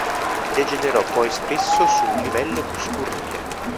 Degenerò poi spesso su un livello più scurrile.